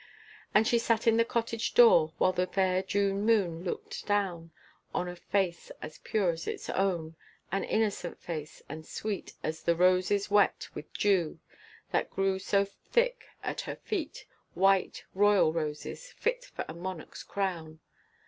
And she sat in the cottage door while the fair June moon looked down On a face as pure as its own, an innocent face, and sweet As the roses wet with dew that grew so thick at her feet, White, royal roses, fit for a monarch's crown.